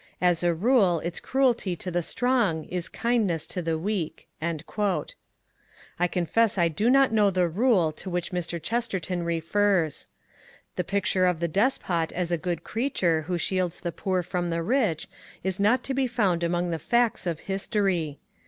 As a rule its cruelty to the strong is kindness to the weak." I confess I do not know the "rule" to which Mr. Chesterton refers. The picture of the despot as a good creature who shields the poor from the rich is not to be found among the facts of history.